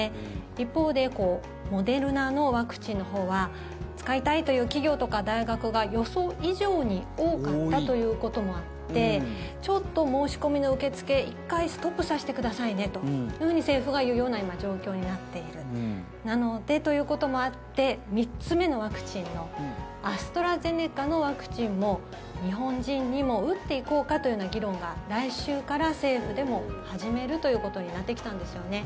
一方でモデルナのワクチンのほうは使いたいという企業とか大学が予想以上に多かったということもあってちょっと申し込みの受け付け１回ストップさせてくださいねと政府が言うような状況になっているということもあって３つ目のワクチンのアストラゼネカのワクチンも日本人にも打っていこうかという議論が来週から政府でも始めることになってきたんですよね。